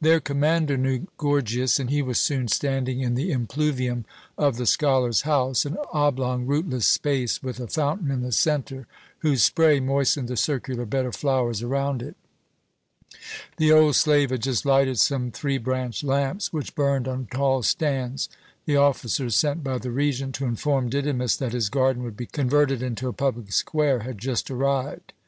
Their commander knew Gorgias, and he was soon standing in the impluvium of the scholar's house, an oblong, roofless space, with a fountain in the centre, whose spray moistened the circular bed of flowers around it. The old slave had just lighted some three branched lamps which burned on tall stands. The officers sent by the Regent to inform Didymus that his garden would be converted into a public square had just arrived.